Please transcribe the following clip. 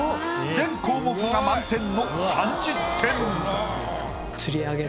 全項目が満点の３０点。